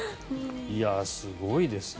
すごいですね。